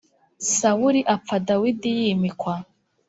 sawuli apfa dawidi yimikwa